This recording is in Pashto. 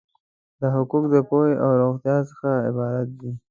دا حقوق د پوهې او روغتیا څخه عبارت دي.